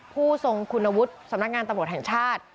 ผู้ทรงคุณวุฒิสำนักงานตำรวจแห่งชาติ